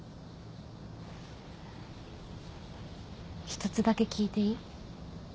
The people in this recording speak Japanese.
一つだけ聞いていい？